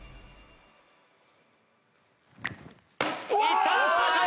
いったー！